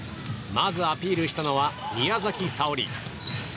まずアピールしたのは宮崎早織。